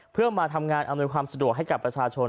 เพื่อมาทำงานอำนวยความสะดวกให้กับประชาชน